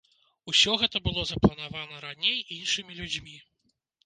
Усё гэта было запланавана раней іншымі людзьмі.